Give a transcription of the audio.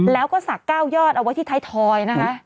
แล้วก็ศักดิ์เก้ายอดเอาไว้ที่ไทยทอย